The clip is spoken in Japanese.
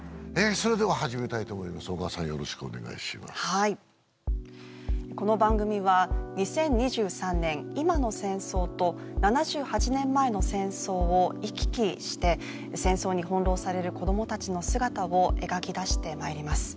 はいこの番組は２０２３年今の戦争と７８年前の戦争を行き来して戦争に翻弄される子どもたちの姿を描き出してまいります